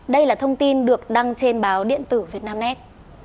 đây là thông tin được đăng trên báo điện tử việt nam nét